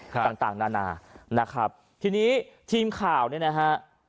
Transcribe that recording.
ต่างต่างนานานะครับทีนี้ทีมข่าวเนี่ยนะฮะ